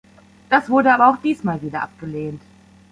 Das wurde aber auch diesmal wieder abgelehnt.